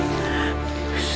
udah mukanya biasa aja